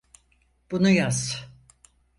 Bunu yaz.